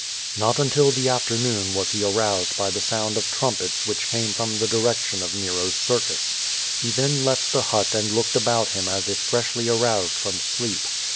Not until the afternoon was he aroused by the sound of trumpets which came from the direction of Nero's circus. He then left the hut and looked about him as if freshly aroused from sleep.